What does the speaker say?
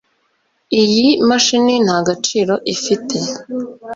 Iyi mashini nta gaciro ifite